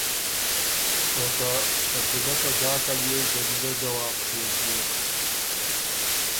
او ته شکیلۀ په ځاکه ليې جمیلۀ ځواب ڒیوک بيوک۔